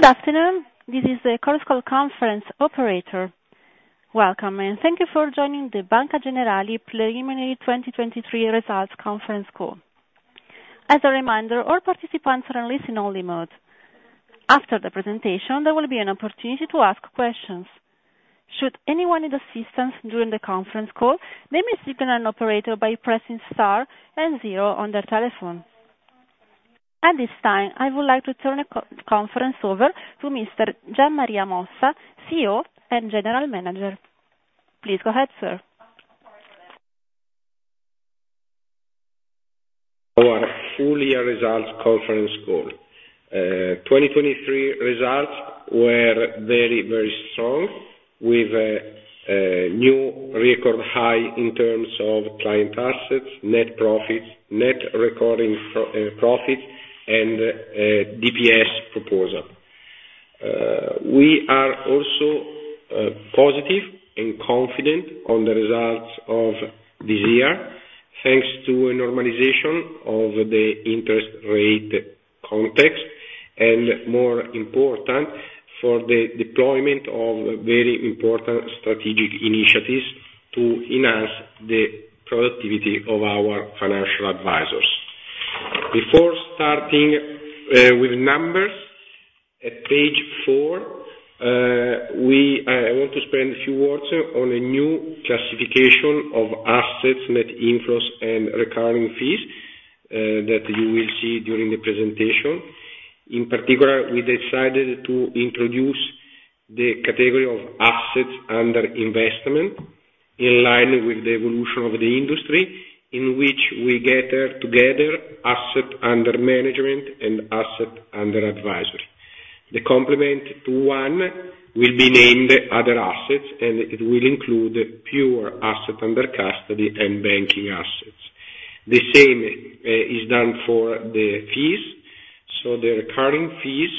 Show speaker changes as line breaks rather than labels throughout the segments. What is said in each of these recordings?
Good afternoon. This is the Chorus Call Conference operator. Welcome, and thank you for joining the Banca Generali Preliminary 2023 Results Conference Call. As a reminder, all participants are in listen only mode. After the presentation, there will be an opportunity to ask questions. Should anyone need assistance during the conference call, they may speak to an operator by pressing star and zero on their telephone. At this time, I would like to turn the conference over to Mr. Gian Maria Mossa, CEO and General Manager. Please go ahead, sir.
Our full-year results conference call. Twenty twenty-three results were very, very strong, with a new record high in terms of client assets, net profits, net recurring profit, and DPS proposal. We are also positive and confident on the results of this year, thanks to a normalization of the interest rate context, and more important, for the deployment of very important strategic initiatives to enhance the productivity of our financial advisors. Before starting with numbers, at page four, I want to spend a few words on a new classification of assets, net inflows, and recurring fees that you will see during the presentation. In particular, we decided to introduce the category of assets under investment, in line with the evolution of the industry, in which we gather together assets under management and assets under advisory. The complement to one will be named other assets, and it will include pure assets under custody and banking assets. The same is done for the fees. So the recurring fees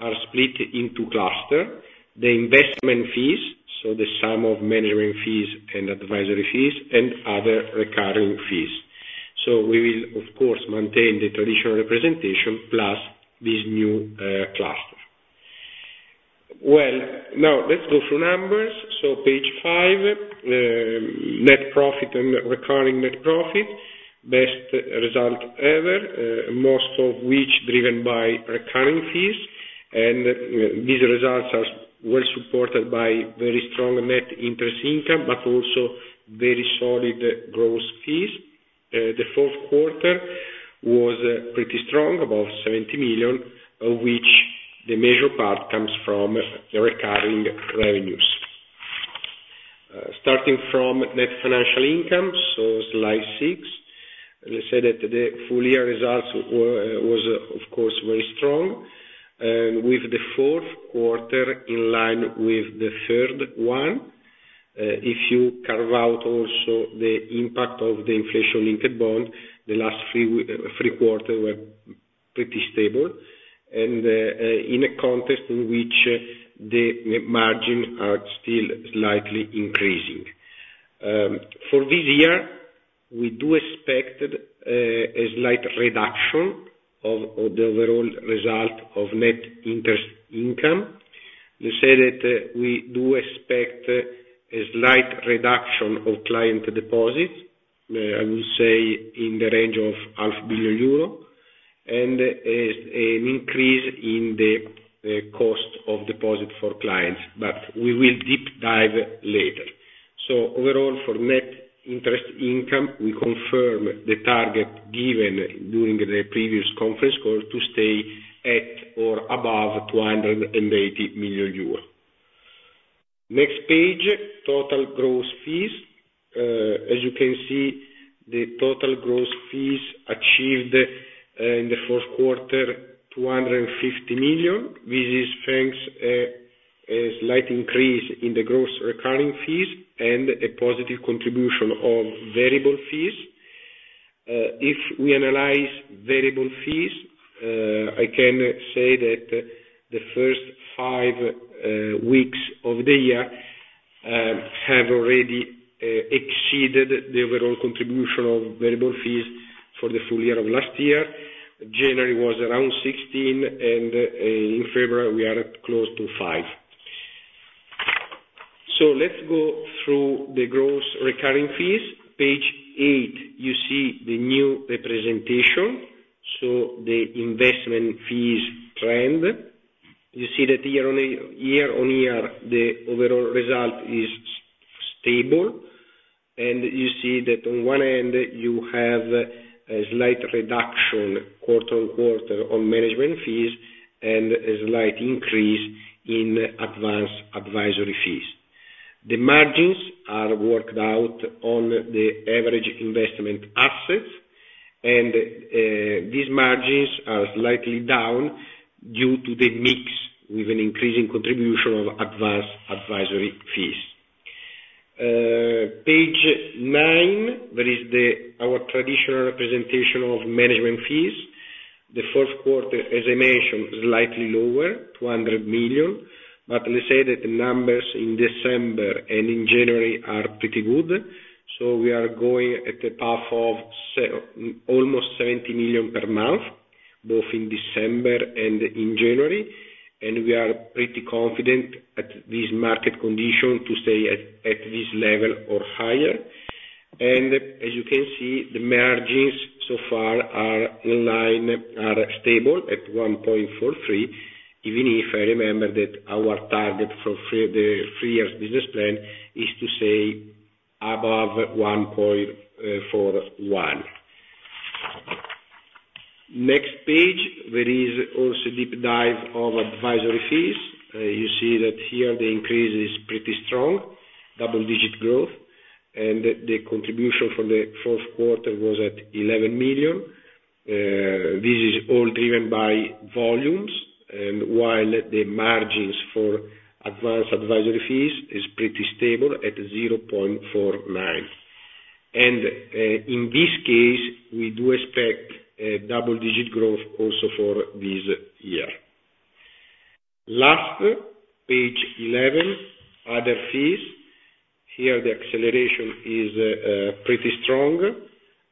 are split into cluster. The investment fees, so the sum of management fees and advisory fees, and other recurring fees. So we will, of course, maintain the traditional representation plus this new cluster. Well, now let's go through numbers. So page five, net profit and recurring net profit. Best result ever, most of which driven by recurring fees, and these results are well supported by very strong net interest income, but also very solid gross fees. The fourth quarter was pretty strong, about 70 million, of which the major part comes from the recurring revenues. Starting from net financial income, so slide six. Let's say that the full-year results were very strong, with the fourth quarter in line with the third one. If you carve out also the impact of the inflation-linked bond, the last three quarters were pretty stable and, in a context in which the margins are still slightly increasing. For this year, we do expect a slight reduction of the overall result of net interest income. Let's say that we do expect a slight reduction of client deposits, I would say in the range of 500 million euro, and an increase in the cost of deposit for clients. But we will deep dive later. So overall, for net interest income, we confirm the target given during the previous conference call to stay at or above 280 million euro. Next page, total gross fees. As you can see, the total gross fees achieved in the fourth quarter, 250 million. This is thanks to a slight increase in the gross recurring fees and a positive contribution of variable fees. If we analyze variable fees, I can say that the first five weeks of the year have already exceeded the overall contribution of variable fees for the full-year of last year. January was around 16 million, and in February, we are at close to 5 million. So let's go through the gross recurring fees. Page eight, you see the new representation, so the investment fees trend. You see that year-on-year, the overall result is stable, and you see that on one end, you have a slight reduction quarter-on-quarter on management fees and a slight increase in advanced advisory fees. The margins are worked out on the average investment assets, and these margins are slightly down due to the mix with an increasing contribution of advanced advisory fees. Page nine, there is our traditional representation of management fees. The fourth quarter, as I mentioned, is slightly lower, 200 million, but let's say that the numbers in December and in January are pretty good, so we are going at a path of almost 70 million per month both in December and in January, and we are pretty confident at this market condition to stay at this level or higher. As you can see, the margins so far are in line, are stable at 1.43, even if I remember that our target for the three-year business plan is to say above 1.41. Next page, there is also deep dive of advisory fees. You see that here the increase is pretty strong, double-digit growth, and the contribution from the fourth quarter was at 11 million. This is all driven by volumes, and while the margins for advanced advisory fees is pretty stable at 0.49. In this case, we do expect a double-digit growth also for this year. Last, page 11, other fees. Here, the acceleration is pretty strong.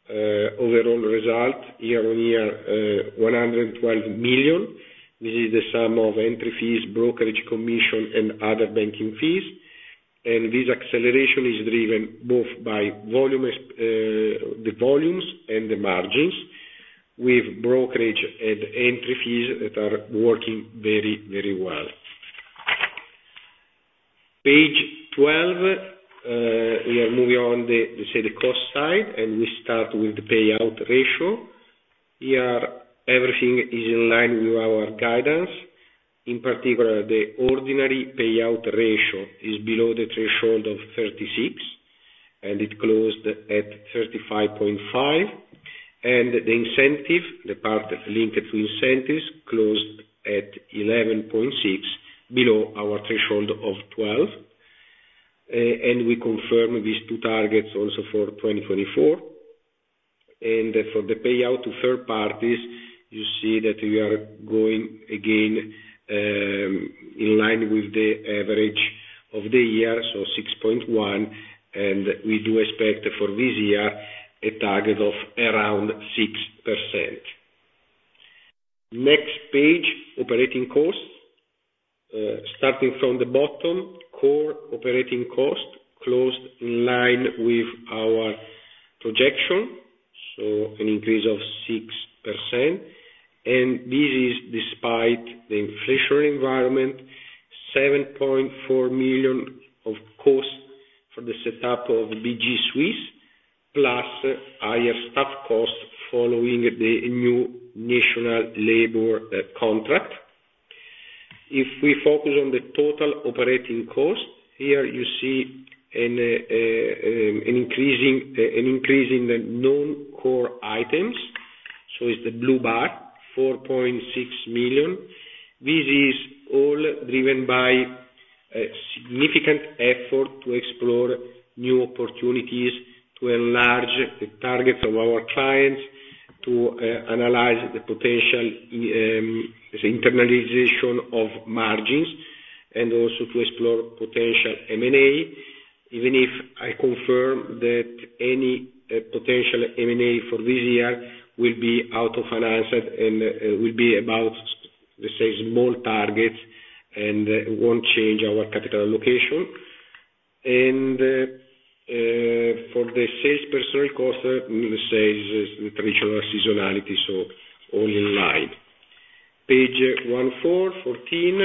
Overall result, year-on-year, 112 million. This is the sum of entry fees, brokerage commission, and other banking fees. This acceleration is driven both by volumes, the volumes and the margins, with brokerage and entry fees that are working very, very well. Page twelve, we are moving on the, let's say, the cost side, and we start with the payout ratio. Here, everything is in line with our guidance. In particular, the ordinary payout ratio is below the threshold of 36%, and it closed at 35.5%. And the incentive, the part that's linked to incentives, closed at 11.6%, below our threshold of 12%. And we confirm these two targets also for 2024. And for the payout to third parties, you see that we are going again, in line with the average of the year, so 6.1%, and we do expect for this year a target of around 6%. Next page, operating costs. Starting from the bottom, core operating cost closed in line with our projection, so an increase of 6%. This is despite the inflationary environment, 7.4 million of cost for the setup of BG Swiss, plus higher staff costs following the new national labor contract. If we focus on the total operating cost, here you see an increase in the non-core items. It's the blue bar, 4.6 million. This is all driven by a significant effort to explore new opportunities to enlarge the target of our clients, to analyze the potential, the internalization of margins, and also to explore potential M&A. Even if I confirm that any potential M&A for this year will be out of finances and will be about, let's say, small targets, and won't change our capital location. For the sales personnel cost, let me say, is traditional seasonality, so all in line. Page 14, fourteen,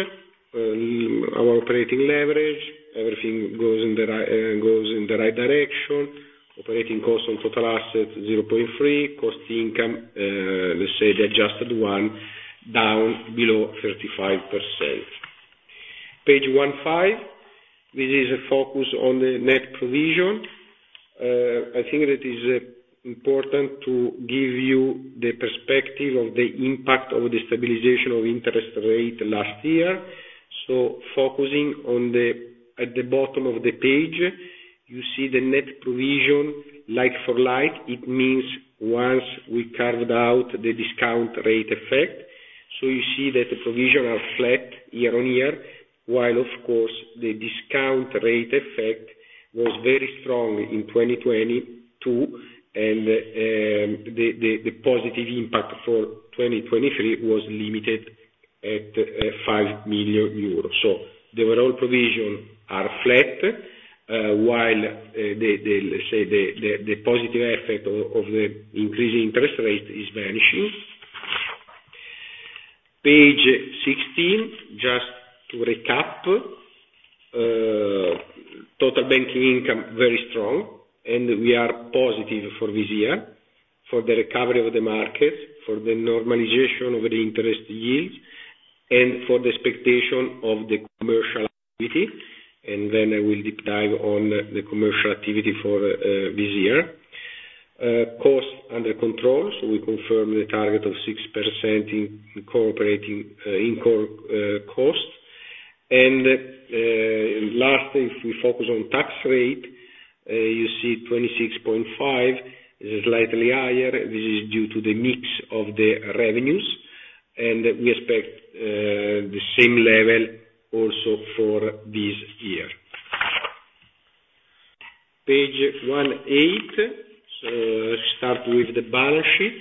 our operating leverage, everything goes in the right direction. Operating costs on total assets, 0.3. Cost income, let's say the adjusted one, down below 35%. Page 15. This is a focus on the net provision. I think it is important to give you the perspective of the impact of the stabilization of interest rate last year. So focusing on the at the bottom of the page, you see the net provision, like for like, it means once we carved out the discount rate effect. So you see that the provision are flat year-on-year, while of course, the discount rate effect was very strong in 2022, and the positive impact for 2023 was limited at 5 million euros. So the overall provision are flat, while the, let's say, the positive effect of the increasing interest rate is vanishing. Page 16, just to recap, total banking income, very strong, and we are positive for this year, for the recovery of the market, for the normalization of the interest yields, and for the expectation of the commercial activity. And then I will deep dive on the commercial activity for this year. Cost under control, so we confirm the target of 6% in operating cost. And, lastly, if we focus on tax rate, you see 26.5% is slightly higher. This is due to the mix of the revenues, and we expect the same level also for this year. Page 18. So start with the balance sheet,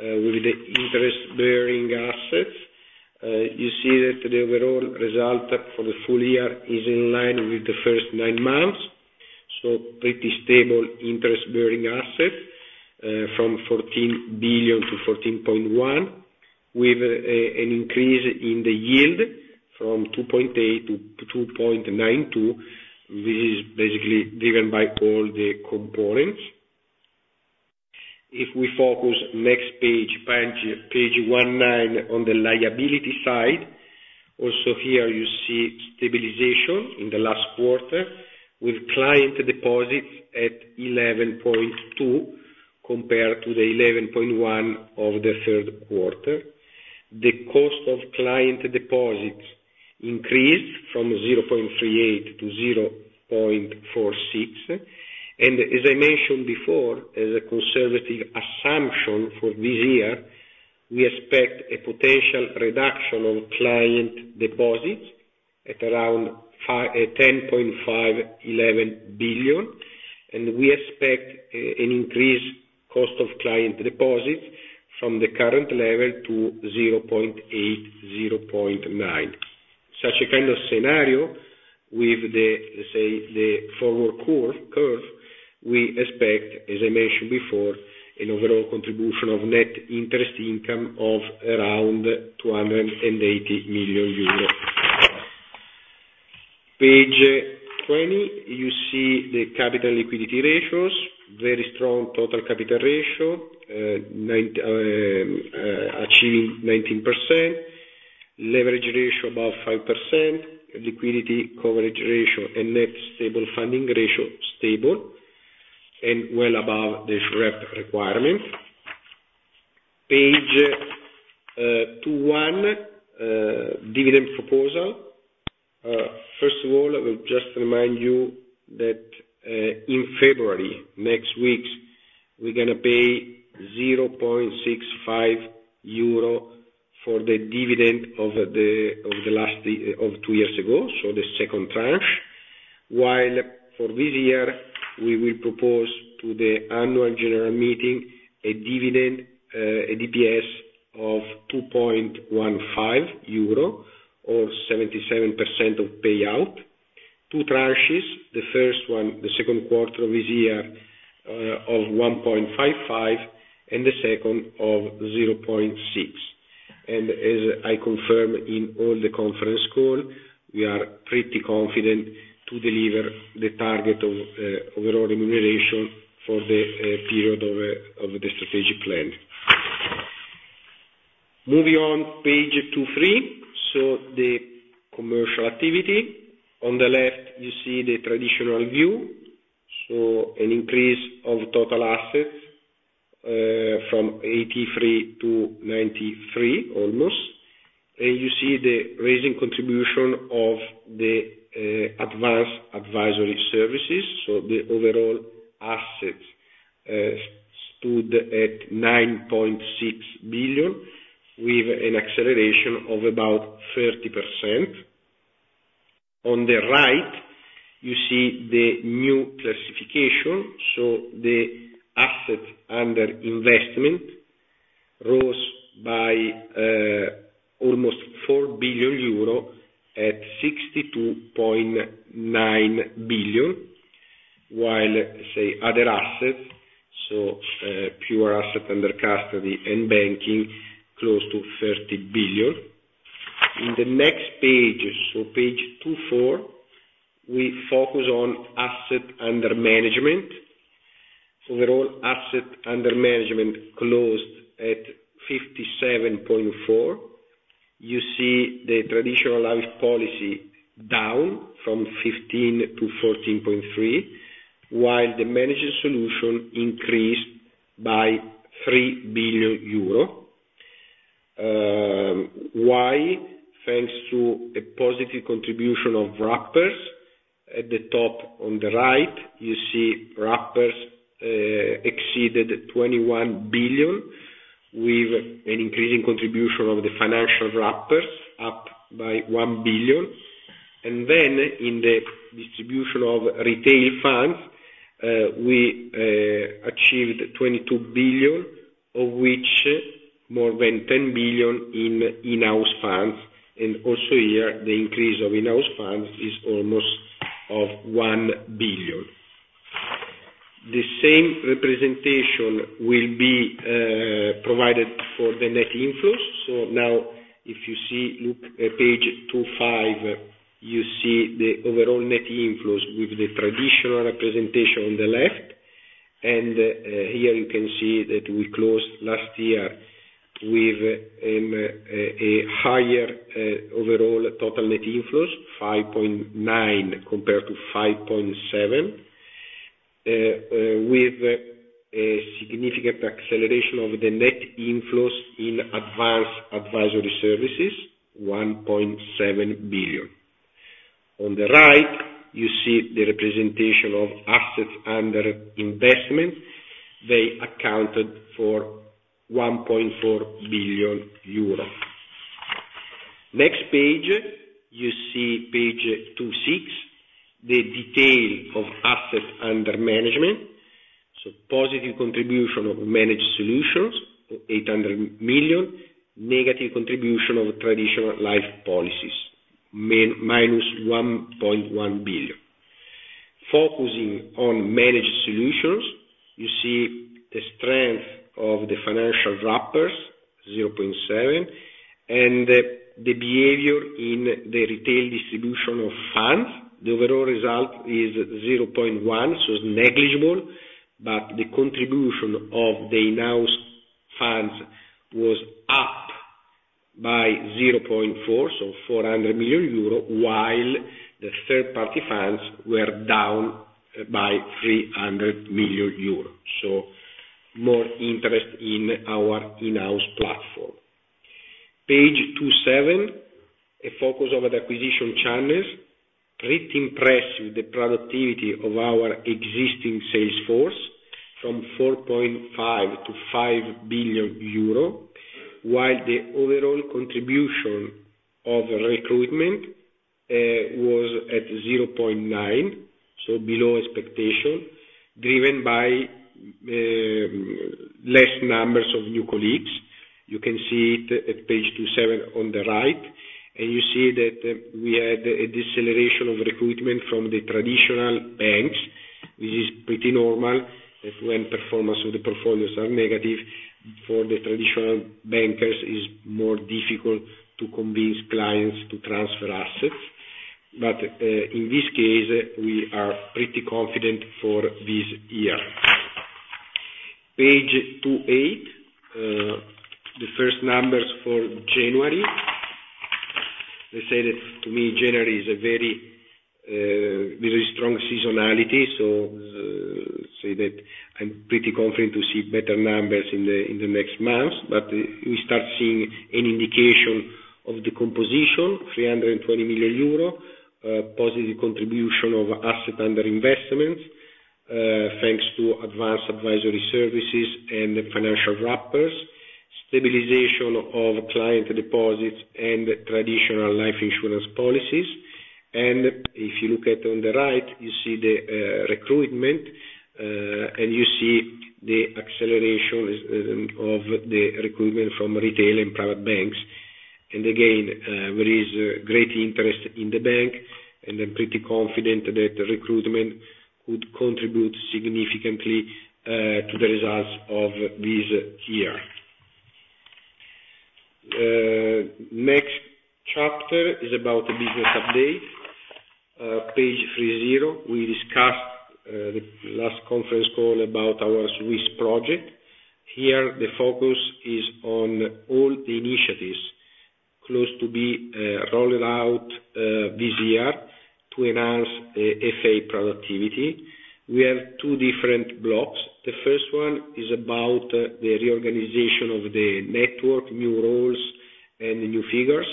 with the interest bearing assets. You see that the overall result for the full-year is in line with the first nine months, so pretty stable interest bearing assets, from 14 billion to 14.1 billion, with an increase in the yield from 2.8% to 2.92%, which is basically driven by all the components. If we focus, next page, page 19, on the liability side, also here you see stabilization in the last quarter, with client deposits at 11.2 billion, compared to the 11.1 billion of the third quarter. The cost of client deposits increased from 0.38% to 0.46%. And as I mentioned before, as a conservative assumption for this year, we expect a potential reduction of client deposits at around 10.5 billion-11 billion, and we expect an increased cost of client deposits from the current level to 0.8%-0.9%. Such a kind of scenario with the, say, the forward curve, we expect, as I mentioned before, an overall contribution of net interest income of around 280 million euro. Page 20, you see the capital liquidity ratios, very strong total capital ratio, nine, achieving 19%. Leverage ratio above 5%. Liquidity coverage ratio and net stable funding ratio, stable and well above the SREP requirement. Page 21, dividend proposal. First of all, I will just remind you that, in February, next week, we're gonna pay 0.65 euro for the dividend of the last of two years ago, so the second tranche. While for this year, we will propose to the annual general meeting, a dividend, a DPS of 2.15 euro, or 77% of payout. Two tranches, the first one, the second quarter of this year, of 1.55, and the second of 0.6. As I confirmed in all the conference call, we are pretty confident to deliver the target of overall remuneration for the period of the strategic plan. Moving on, page 23, so the commercial activity. On the left, you see the traditional view, so an increase of total assets from 83 billion to 93 billion, almost. And you see the rising contribution of the advanced advisory services, so the overall assets stood at 9.6 billion, with an acceleration of about 30%. On the right, you see the new classification, so the assets under investment rose by almost 4 billion euro at 62.9 billion, while, say, other assets, so pure assets under custody and banking, close to 30 billion. In the next page, so page 24, we focus on asset under management. So overall assets under management closed at 57.4. You see the traditional life policy down from 15 to 14.3, while the managed solution increased by 3 billion euro. Why? Thanks to a positive contribution of wrappers. At the top on the right, you see wrappers exceeded 21 billion, with an increasing contribution of the financial wrappers, up by 1 billion. And then in the distribution of retail funds, we achieved 22 billion, of which more than 10 billion in in-house funds. And also here, the increase of in-house funds is almost of 1 billion. The same representation will be provided for the net inflows. So now, if you see, look at page 25, you see the overall net inflows with the traditional representation on the left. Here you can see that we closed last year with a higher overall total net inflows, 5.9 billion, compared to 5.7 billion. With a significant acceleration of the net inflows in advanced advisory services, 1.7 billion. On the right, you see the representation of assets under investment. They accounted for 1.4 billion euro. Next page, you see page 26, the detail of assets under management. So positive contribution of managed solutions, 800 million. Negative contribution of traditional life policies, minus 1.1 billion. Focusing on managed solutions, you see the strength of the financial wrappers, 0.7 billion, and the behavior in the retail distribution of funds. The overall result is 0.1, so it's negligible, but the contribution of the in-house funds was up by 0.4, so 400 million euro, while the third-party funds were down by 300 million euro. So more interest in our in-house platform. Page 27, a focus of acquisition channels. Pretty impressive, the productivity of our existing sales force, from 4.5 billion to 5 billion euro, while the overall contribution of recruitment was at 0.9, so below expectation, driven by less numbers of new colleagues. You can see it at page 27 on the right, and you see that we had a deceleration of recruitment from the traditional banks, which is pretty normal. When performance of the performers are negative, for the traditional bankers, it's more difficult to convince clients to transfer assets. But, in this case, we are pretty confident for this year. Page 28, the first numbers for January. They say that to me, January is a very, very strong seasonality, so, say that I'm pretty confident to see better numbers in the, in the next months. But we start seeing an indication of the composition, 320 million euro positive contribution of asset under investments, thanks to advanced advisory services and financial wrappers, stabilization of client deposits and traditional life insurance policies. And if you look at on the right, you see the, recruitment, and you see the acceleration of, of the recruitment from retail and private banks. And again, there is a great interest in the bank, and I'm pretty confident that recruitment would contribute significantly, to the results of this year. Next chapter is about the business update. Page 30, we discussed the last conference call about our Swiss project. Here, the focus is on all the initiatives close to be rolled out this year to enhance the FA productivity. We have two different blocks. The first one is about the reorganization of the network, new roles and the new figures.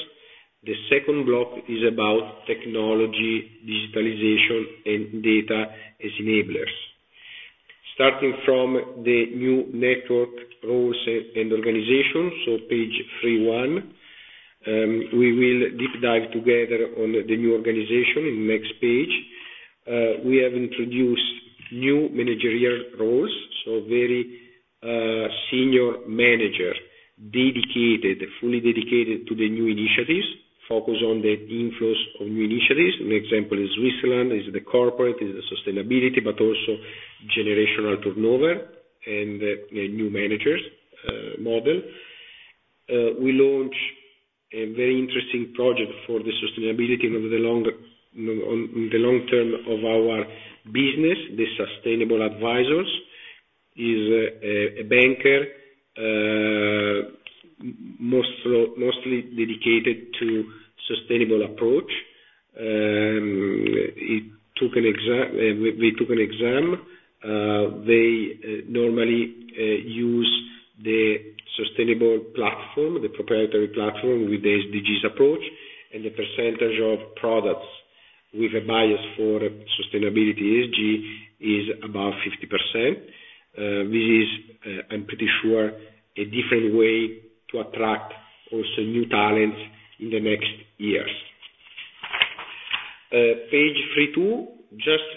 The second block is about technology, digitalization, and data as enablers. Starting from the new network roles and organization, so page 31, we will deep dive together on the new organization in next page. We have introduced new managerial roles, so very senior manager, dedicated, fully dedicated to the new initiatives, focused on the inflows of new initiatives. An example is Switzerland, the corporate, the sustainability, but also generational turnover and the new managers model. We launch a very interesting project for the sustainability over the long term of our business. The sustainable advisors is a banker, mostly dedicated to sustainable approach. They took an exam. They normally use the sustainable platform, the proprietary platform, with the SDGs approach, and the percentage of products with a bias for sustainability, ESG, is about 50%. This is, I'm pretty sure, a different way to attract also new talents in the next years. Page 32, just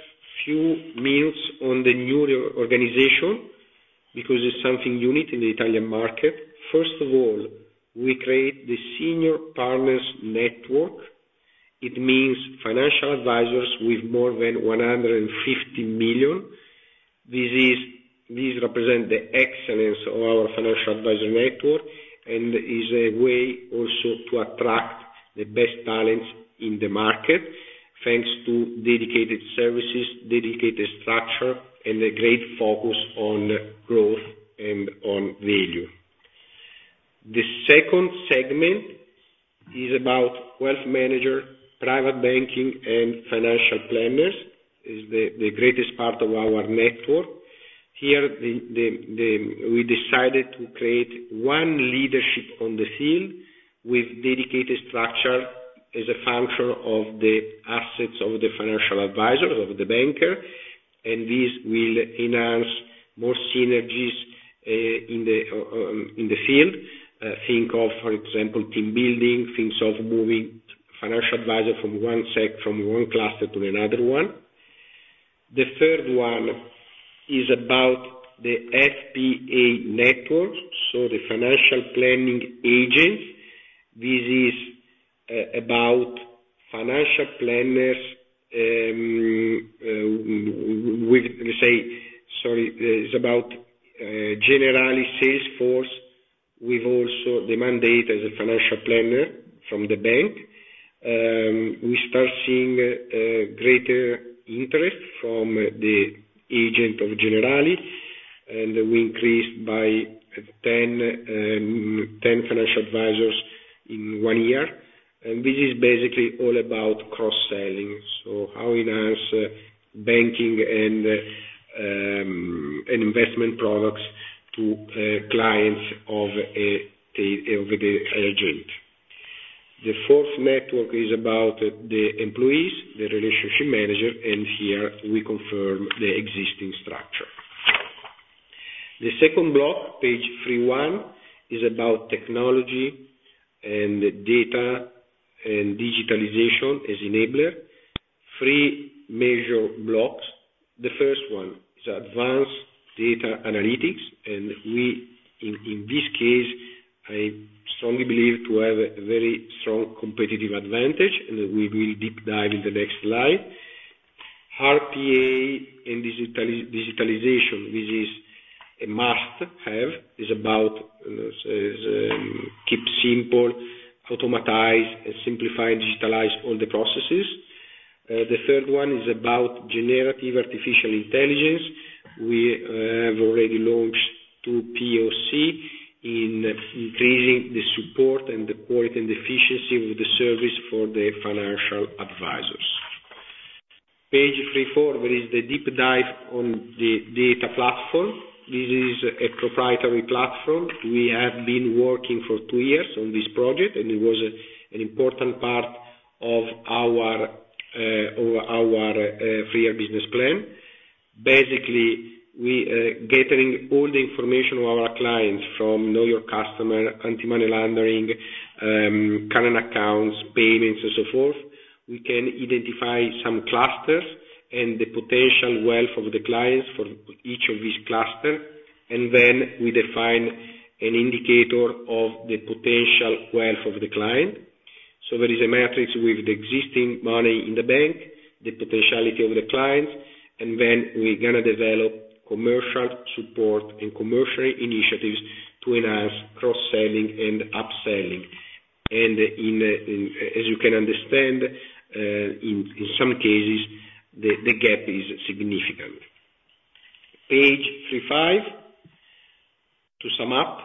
few minutes on the new reorganization, because it's something unique in the Italian market. First of all, we create the senior partners network. It means financial advisors with more than 150 million. This is this represent the excellence of our financial advisor network, and is a way also to attract the best talents in the market, thanks to dedicated services, dedicated structure, and a great focus on growth and on value. The second segment is about wealth manager, private banking, and financial planners, is we decided to create one leadership on the field with dedicated structure as a function of the assets of the financial advisor, of the banker, and this will enhance more synergies in the field. Think of, for example, team building, think of moving financial advisor from one sec, from one cluster to another one. The third one is about the FPA network, so the financial planning agents. This is about financial planners. It's about Generali sales force. We've also the mandate as a financial planner from the bank. We start seeing greater interest from the agent of Generali, and we increased by 10, 10 financial advisors in one year. And this is basically all about cross-selling, so how enhance banking and, and investment products to, clients of, the, of the agent. The fourth network is about the employees, the relationship manager, and here we confirm the existing structure. The second block, page 31, is about technology and data and digitalization as enabler. Three major blocks. The first one is advanced data analytics, and we, in this case, I strongly believe to have a very strong competitive advantage, and we will deep dive in the next slide. RPA and digitalization, which is a must have, is about, says, keep simple, automatize, and simplify, digitalize all the processes. The third one is about generative artificial intelligence. We have already launched two POC in increasing the support and the quality and efficiency of the service for the financial advisors. Page three, four, there is the deep dive on the data platform. This is a proprietary platform. We have been working for two years on this project, and it was an important part of our, of our, three-year business plan. Basically, we gathering all the information of our clients from know your customer, anti-money laundering, current accounts, payments, and so forth. We can identify some clusters and the potential wealth of the clients for each of these cluster, and then we define an indicator of the potential wealth of the client. So there is a matrix with the existing money in the bank, the potentiality of the client, and then we're going to develop commercial support and commercial initiatives to enhance cross-selling and upselling. And in, as you can understand, in some cases, the gap is significant. Page 35, to sum up.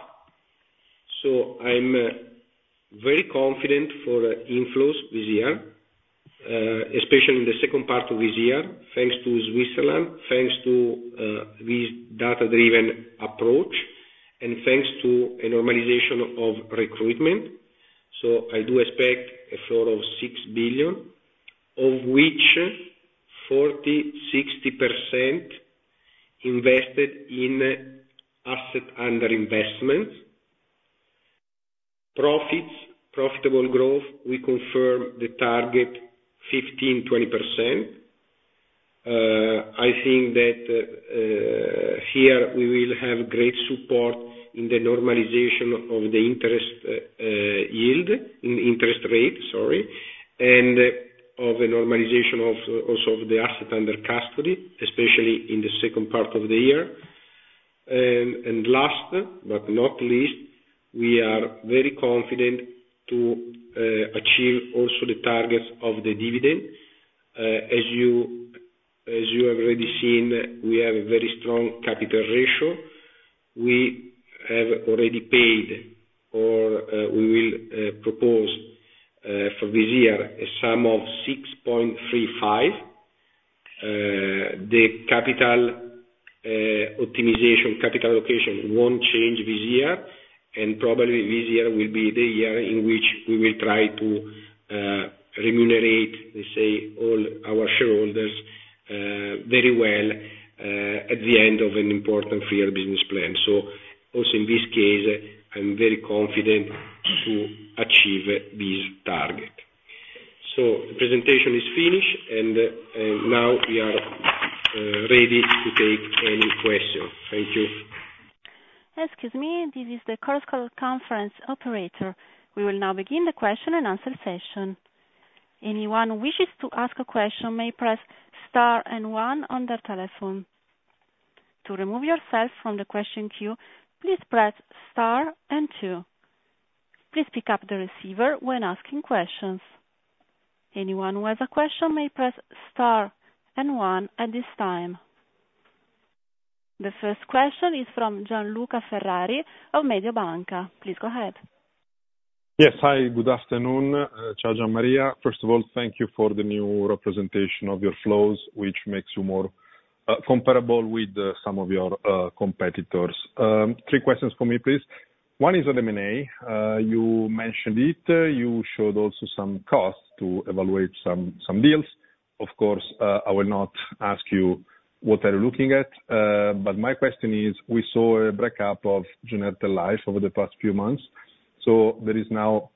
So I'm very confident for inflows this year, especially in the second part of this year, thanks to Switzerland, thanks to this data-driven approach, and thanks to a normalization of recruitment. So I do expect a flow of 6 billion, of which 40%-60% invested in asset under investment. Profits, profitable growth, we confirm the target 15%-20%. I think that here we will have great support in the normalization of the interest yield in interest rate, sorry, and of the normalization of also of the asset under custody, especially in the second part of the year. And last but not least, we are very confident to achieve also the targets of the dividend. As you have already seen, we have a very strong capital ratio. We have already paid, or we will propose for this year a sum of 6.35. The capital optimization, capital allocation won't change this year, and probably this year will be the year in which we will try to remunerate, let's say, all our shareholders very well at the end of an important three-year business plan. Also in this case, I'm very confident to achieve this target. The presentation is finished, and now we are ready to take any questions. Thank you.
Excuse me, this is the corporate conference operator. We will now begin the question and answer session. Anyone who wishes to ask a question may press star and one on their telephone. To remove yourself from the question queue, please press star and two. Please pick up the receiver when asking questions. Anyone who has a question may press star and one at this time. The first question is from Gianluca Ferrari of Mediobanca. Please go ahead.
Yes. Hi, good afternoon. Gian Maria, first of all, thank you for the new representation of your flows, which makes you more clear, comparable with some of your competitors. Three questions for me, please. One is on M&A. You mentioned it, you showed also some costs to evaluate some deals. Of course, I will not ask you what you're looking at, but my question is: we saw a breakup of Generali Life over the past few months, so there is now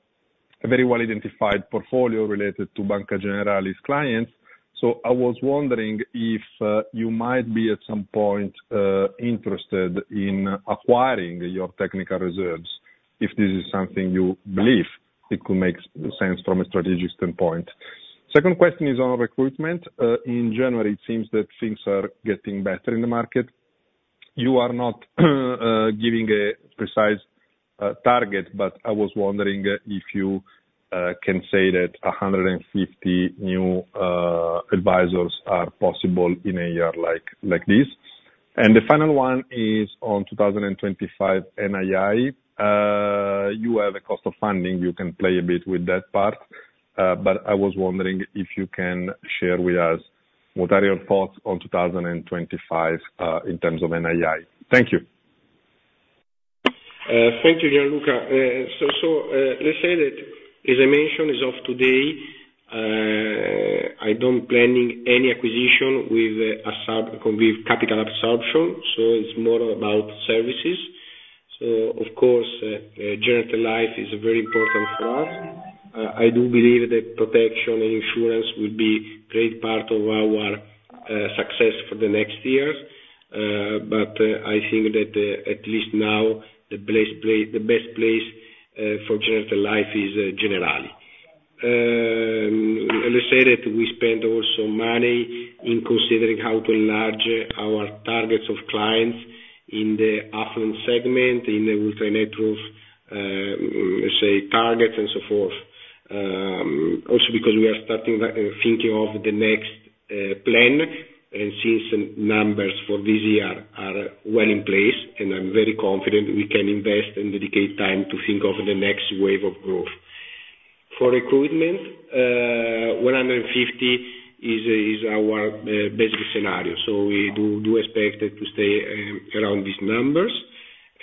a very well-identified portfolio related to Banca Generali's clients. So I was wondering if you might be, at some point, interested in acquiring your technical reserves, if this is something you believe it could make sense from a strategic standpoint. Second question is on recruitment. In January, it seems that things are getting better in the market. You are not giving a precise target, but I was wondering if you can say that 150 new advisors are possible in a year like, like this. And the final one is on 2025 NII. You have a cost of funding, you can play a bit with that part, but I was wondering if you can share with us what are your thoughts on 2025 in terms of NII. Thank you.
Thank you, Gianluca. Let's say that, as I mentioned, as of today, I don't planning any acquisition with a sub with capital absorption, so it's more about services. So of course, Generali Life is very important for us. I do believe that protection and insurance will be great part of our success for the next years. But I think that, at least now, the best place, for Generali Life is Generali. Let's say that we spent also money in considering how to enlarge our targets of clients in the affluent segment, in the ultra net worth, say, targets and so forth. Also because we are starting thinking of the next plan, and since the numbers for this year are well in place, and I'm very confident we can invest and dedicate time to think of the next wave of growth. For recruitment, 150 is our basic scenario, so we do expect it to stay around these numbers.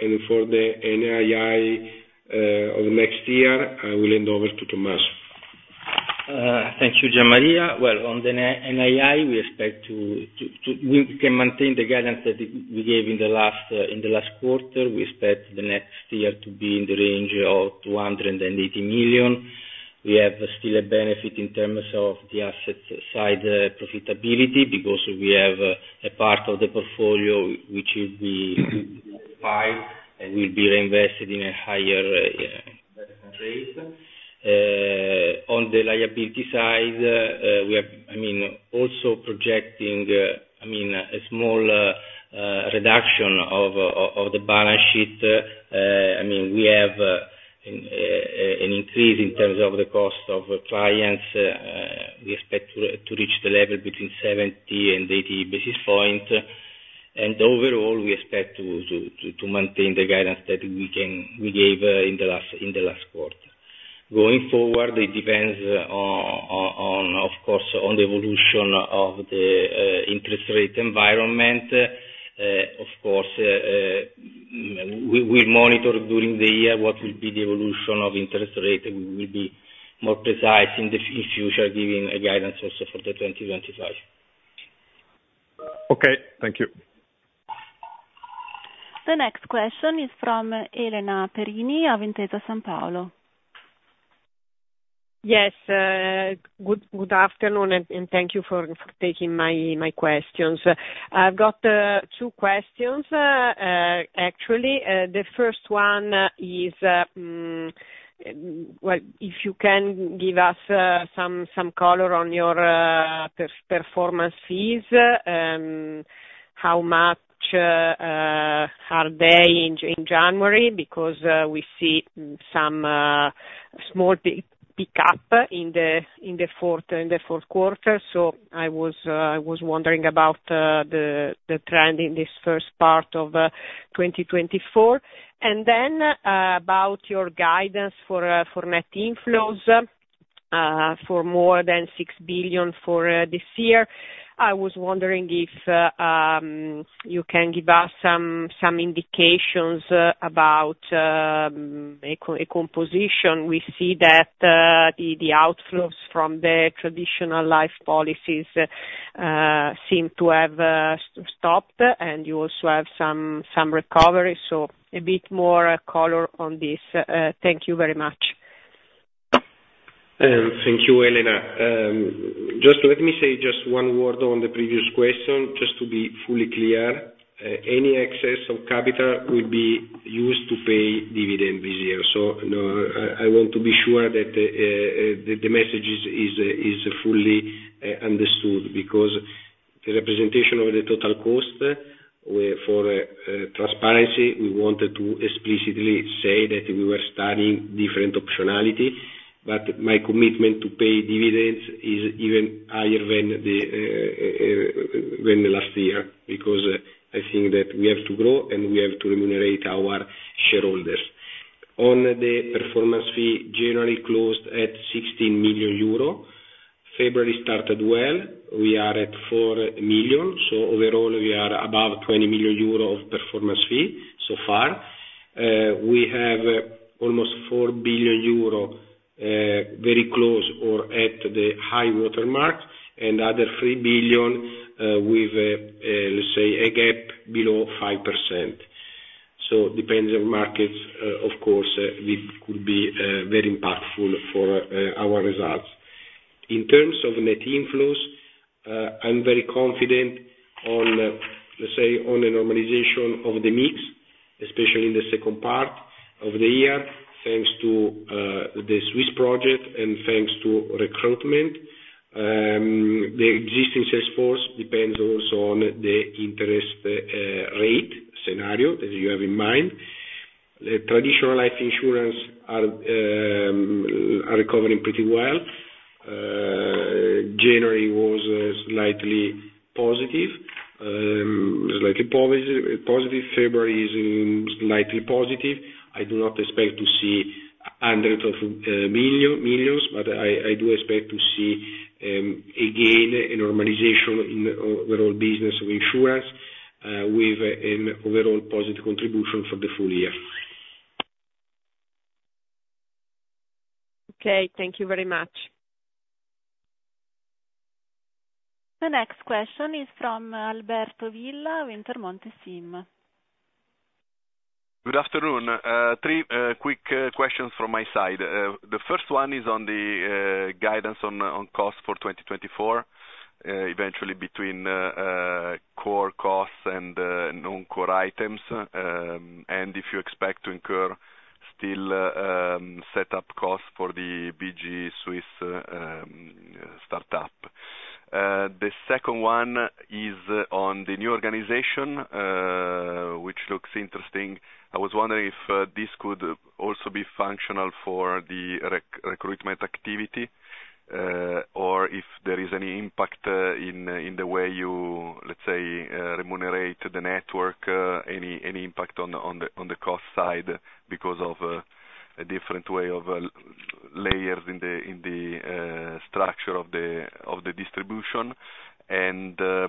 And for the NII of next year, I will hand over to Tommaso.
Thank you, Gian Maria. Well, on the NII, we expect to. We can maintain the guidance that we gave in the last quarter. We expect the next year to be in the range of 280 million. We have still a benefit in terms of the asset side profitability, because we have a part of the portfolio which will be, five, and will be reinvested in a higher rate. On the liability side, we are, I mean, also projecting, I mean, a small reduction of the balance sheet. I mean, we have an increase in terms of the cost of clients. We expect to reach the level between 70 and 80 basis points. Overall, we expect to maintain the guidance that we gave in the last quarter. Going forward, it depends, of course, on the evolution of the interest rate environment. Of course, we monitor during the year what will be the evolution of interest rate, and we will be more precise in future, giving a guidance also for 2025.
Okay, thank you.
The next question is from Elena Perini of Intesa Sanpaolo.
Yes, good afternoon, and thank you for taking my questions. I've got two questions, actually. The first one is, well, if you can give us some color on your performance fees, how much are they in January? Because we see some small pick-up in the fourth quarter. So I was wondering about the trend in this first part of 2024. And then, about your guidance for net inflows, for more than 6 billion for this year. I was wondering if you can give us some indications about a composition. We see that the outflows from the traditional life policies seem to have stopped, and you also have some recovery. So a bit more color on this. Thank you very much.
Thank you, Elena. Just let me say just one word on the previous question, just to be fully clear. Any excess of capital will be used to pay dividend this year. So, no, I want to be sure that the message is fully understood. Because the representation of the total cost, for transparency, we wanted to explicitly say that we were studying different optionality, but my commitment to pay dividends is even higher than the last year, because I think that we have to grow, and we have to remunerate our shareholders on the performance fee, January closed at 16 million euro. February started well, we are at 4 million, so overall we are above 20 million euro of performance fee so far. We have almost 4 billion euro, very close or at the high watermark, and other 3 billion, with, let's say, a gap below 5%. So depends on markets, of course, it could be very impactful for our results. In terms of net inflows, I'm very confident on, let's say, on the normalization of the mix, especially in the second part of the year, thanks to the Swiss project and thanks to recruitment. The existing sales force depends also on the interest rate scenario that you have in mind. The traditional life insurance are recovering pretty well. January was slightly positive. February is slightly positive. I do not expect to see hundreds of millions, but I do expect to see a gain, a normalization in overall business of insurance with an overall positive contribution for the full-year.
Okay, thank you very much.
The next question is from Alberto Villa, Intermonte SIM.
Good afternoon. Three quick questions from my side. The first one is on the guidance on cost for 2024, eventually between core costs and non-core items, and if you expect to incur still set up costs for the BG Swiss startup. The second one is on the new organization, which looks interesting. I was wondering if this could also be functional for the recruitment activity, or if there is any impact in the way you, let's say, remunerate the network, any impact on the cost side because of a different way of layers in the structure of the distribution. The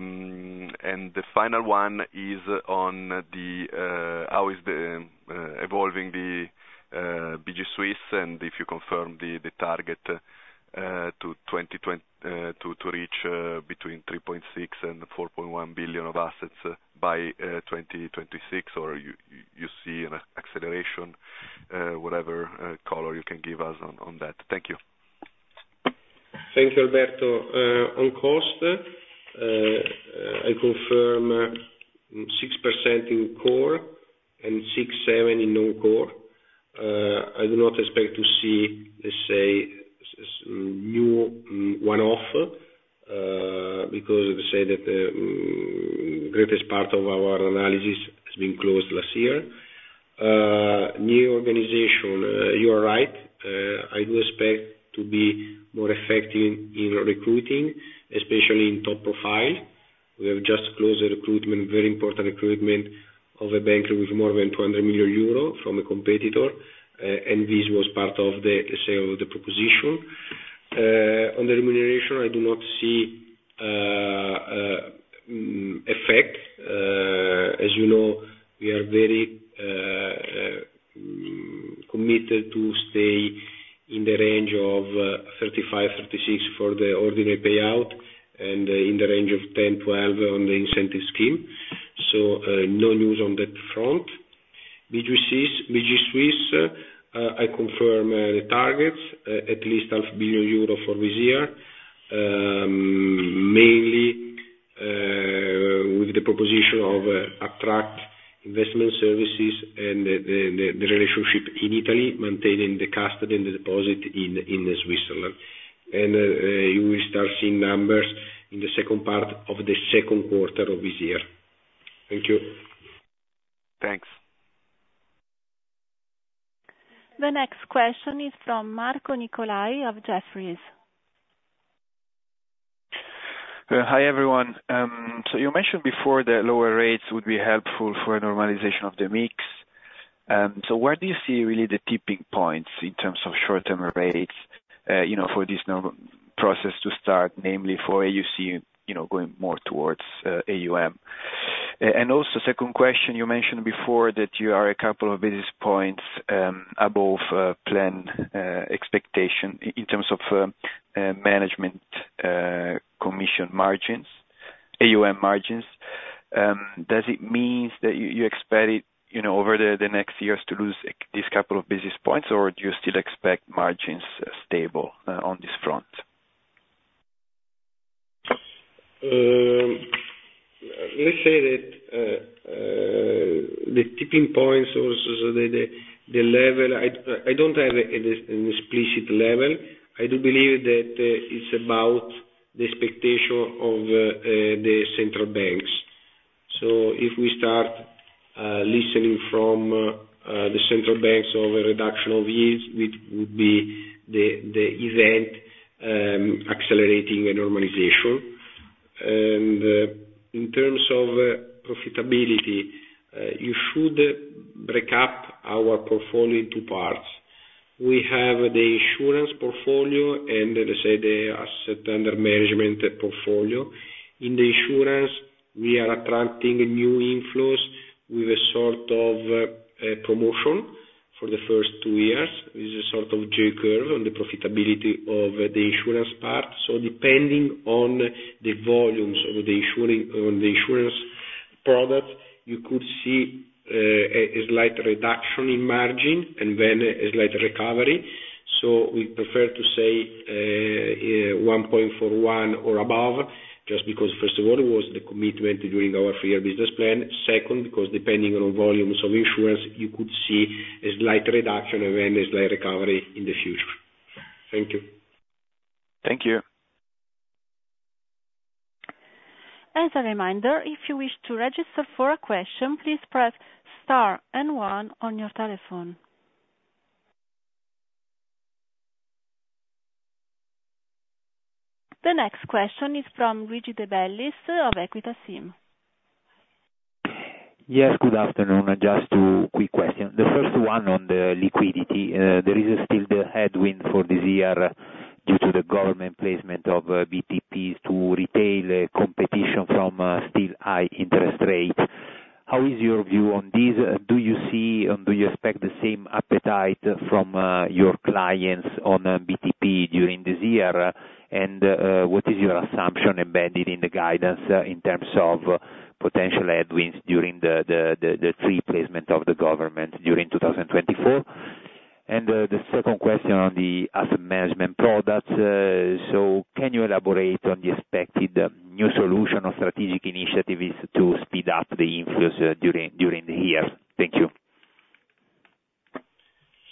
final one is on how the BG Swiss is evolving, and if you confirm the target to reach between 3.6 billion and 4.1 billion of assets by 2026, or you see an acceleration, whatever color you can give us on that. Thank you.
Thank you, Alberto. On cost, I confirm 6% in core and 6%-7% in non-core. I do not expect to see, let's say, new one-off, because let's say that, greatest part of our analysis has been closed last year. New organization, you are right. I do expect to be more effective in recruiting, especially in top profile. We have just closed a recruitment, very important recruitment of a banker with more than 200 million euro from a competitor, and this was part of the, let's say, of the proposition. On the remuneration, I do not see effect. As you know, we are very committed to stay in the range of 35-36 for the ordinary payout and in the range of 10-12 on the incentive scheme. So, no news on that front. BG Swiss, BG Swiss, I confirm the targets, at least 500 million euro for this year. Mainly, with the proposition of attract investment services and the relationship in Italy, maintaining the custody and the deposit in Switzerland. You will start seeing numbers in the second part of the second quarter of this year. Thank you.
Thanks.
The next question is from Marco Nicolai of Jefferies.
Hi, everyone. So you mentioned before that lower rates would be helpful for a normalization of the mix. So where do you see really the tipping points in terms of short-term rates, you know, for this normal process to start, namely for AUC, you know, going more towards AUM? And also, second question, you mentioned before that you are a couple of basis points above planned expectation in terms of management commission margins, AUM margins. Does it means that you expect it, you know, over the next years to lose this couple of basis points, or do you still expect margins stable on this front?
Let's say that the tipping points or the level I don't have an explicit level. I do believe that it's about the expectation of the central banks. So if we start listening from the central banks of a reduction of yields, which would be the event accelerating a normalization. And in terms of profitability, you should break up our portfolio in two parts. We have the insurance portfolio, and let's say, the asset under management portfolio. In the insurance, we are attracting new inflows with a sort of promotion for the first two years. This is sort of J-curve on the profitability of the insurance part. So depending on the volumes of the ensuing, on the insurance product, you could see a slight reduction in margin and then a slight recovery. So we prefer to say 1.41 or above, just because, first of all, it was the commitment during our three-year business plan. Second, because depending on volumes of insurance, you could see a slight reduction and then a slight recovery in the future. Thank you.
Thank you.
As a reminder, if you wish to register for a question, please press star and one on your telephone. The next question is from Luigi De Bellis of Equita SIM.
Yes, good afternoon. Just two quick questions. The first one on the liquidity. There is still the headwind for this year due to the government placement of BTPs to retail competition from still high interest rates. How is your view on this? Do you see, or do you expect the same appetite from your clients on BTP during this year? And what is your assumption embedded in the guidance in terms of potential headwinds during the BTP placement of the government during 2024? And the second question on the asset management products. So can you elaborate on the expected new solution or strategic initiatives to speed up the inflows during the year? Thank you.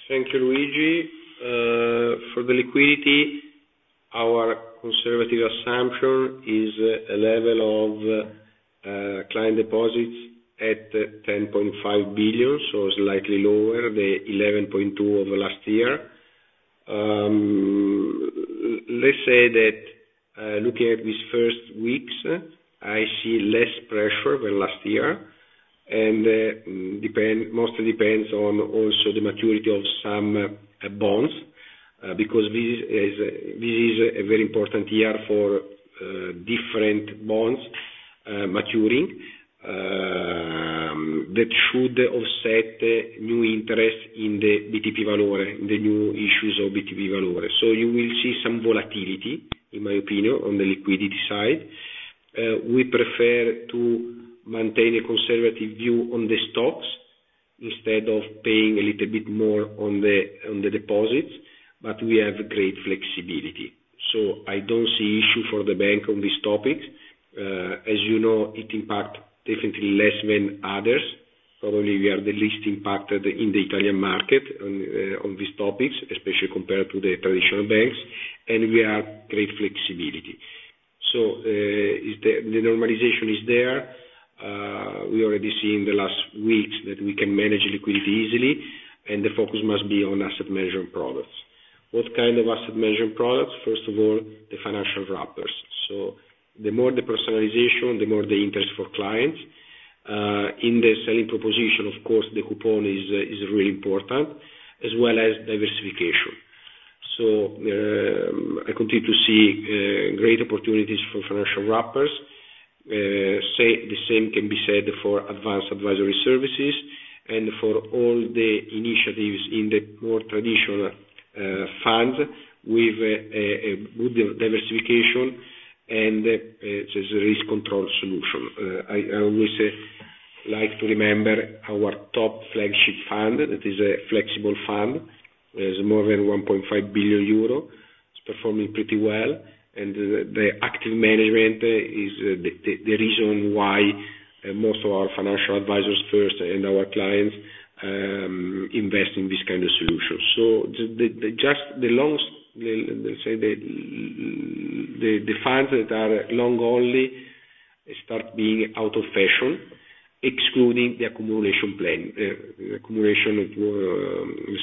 Thank you, Luigi. For the liquidity, our conservative assumption is a level of client deposits at 10.5 billion, so slightly lower, the 11.2 billion of last year. Let's say that, looking at these first weeks, I see less pressure than last year, and, mostly depends on also the maturity of some bonds. Because this is a very important year for different bonds maturing that should offset new interest in the BTP Valore, the new issues of BTP Valore. So you will see some volatility, in my opinion, on the liquidity side. We prefer to maintain a conservative view on the stocks instead of paying a little bit more on the deposits, but we have great flexibility, so I don't see issue for the bank on these topics. As you know, it impact definitely less than others. Probably, we are the least impacted in the Italian market on these topics, especially compared to the traditional banks, and we have great flexibility. So, the normalization is there. We already seen the last weeks that we can manage liquidity easily, and the focus must be on asset management products. What kind of asset management products? First of all, the financial wrappers. So the more the personalization, the more the interest for clients. In the selling proposition, of course, the coupon is really important, as well as diversification. So, I continue to see great opportunities for financial wrappers. Say, the same can be said for advanced advisory services and for all the initiatives in the more traditional fund with a good diversification and there's a risk control solution. I always like to remember our top flagship fund that is a flexible fund. There's more than 1.5 billion euro. It's performing pretty well, and the active management is the reason why most of our financial advisors first and our clients invest in this kind of solution. So, just the long, let's say, the funds that are long only start being out of fashion, excluding the accumulation plan. Accumulation,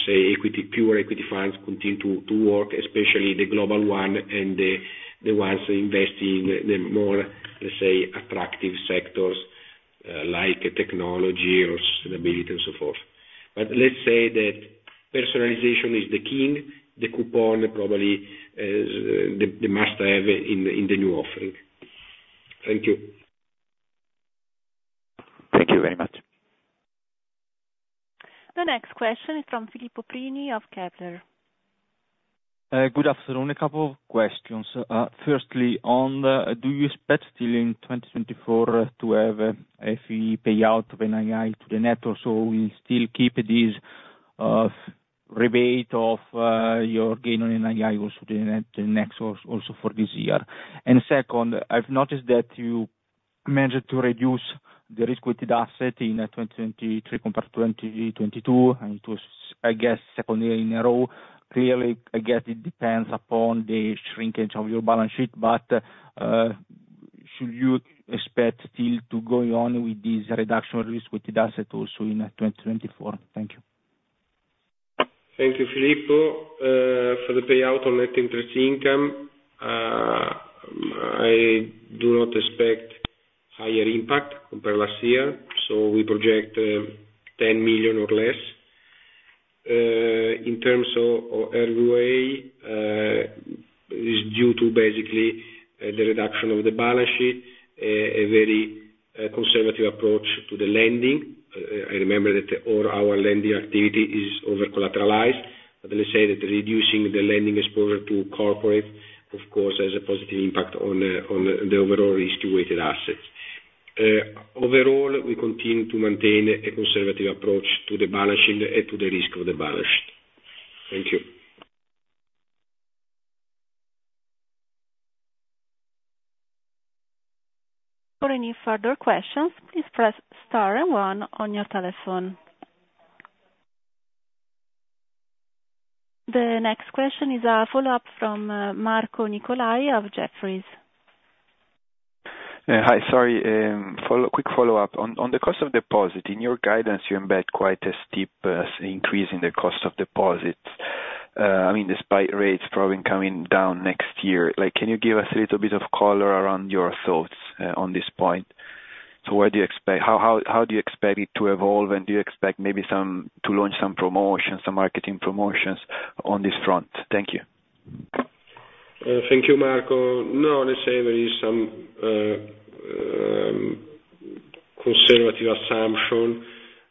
say, equity, pure equity funds continue to work, especially the global one and the ones investing the more, let's say, attractive sectors, like technology or stability and so forth. But let's say that personalization is the king, the coupon probably is the must-have in the new offering. Thank you.
Thank you very much.
The next question is from Filippo Prini of Kepler.
Good afternoon. A couple of questions. Firstly, on do you expect still in 2024 to have a fee payout of NII to the net, or so we still keep this, rebate of, your gain on NII also the net, the next also for this year? And second, I've noticed that you managed to reduce the risk-weighted asset in 2023 compared to 2022, and it was, I guess, second year in a row. Clearly, I guess it depends upon the shrinkage of your balance sheet, but, should you expect still to go on with this reduction risk-weighted asset also in 2024? Thank you.
Thank you, Filippo. For the payout on net interest income, I do not expect higher impact compared last year, so we project 10 million or less. In terms of RWA, is due to basically the reduction of the balance sheet, a very conservative approach to the lending. I remember that all our lending activity is over-collateralized. But let's say that reducing the lending exposure to corporate, of course, has a positive impact on the overall risk-weighted assets. Overall, we continue to maintain a conservative approach to the balance sheet and to the risk of the balance sheet. Thank you.
For any further questions, please press star and one on your telephone. The next question is a follow-up from Marco Nicolai of Jefferies.
Hi, sorry, quick follow-up. On the cost of deposit, in your guidance, you embed quite a steep increase in the cost of deposits. I mean, despite rates probably coming down next year, like, can you give us a little bit of color around your thoughts on this point? So what do you expect, How do you expect it to evolve, and do you expect maybe some to launch some promotions, some marketing promotions on this front? Thank you.
Thank you, Marco. No, let's say there is some conservative assumption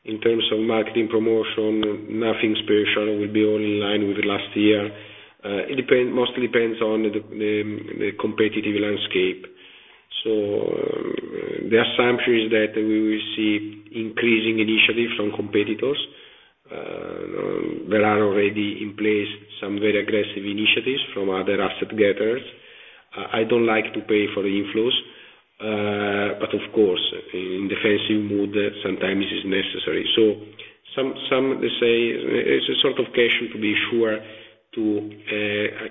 in terms of marketing promotion. Nothing special, it will be all in line with last year. It depend, mostly depends on the competitive landscape. So, the assumption is that we will see increasing initiatives from competitors. There are already in place some very aggressive initiatives from other asset gatherers. I don't like to pay for the inflows, but of course, in defensive mood, sometimes it is necessary. So let's say, it's a sort of caution to be sure to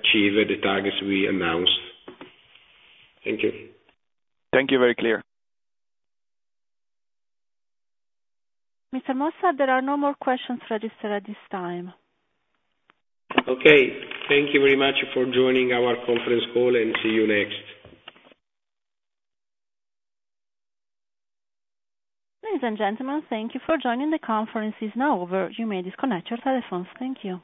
achieve the targets we announced. Thank you.
Thank you. Very clear.
Mr. Mossa, there are no more questions registered at this time.
Okay, thank you very much for joining our conference call, and see you next.
Ladies and gentlemen, thank you for joining. The conference is now over. You may disconnect your telephones. Thank you.